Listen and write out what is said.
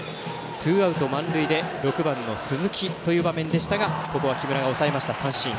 ツーアウト、満塁で６番の鈴木という場面でしたがここは木村が抑えました、三振。